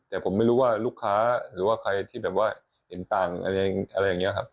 แต่ผมไม่รู้ว่าลูกค้าหรือว่าใครที่แบบว่าเห็นต่างอะไรอย่างนี้ครับ